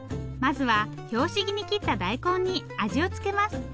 まずは拍子木に切った大根に味を付けます。